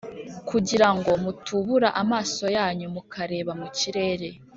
kugira ngo mutubura amaso yanyu mukareba mu kirere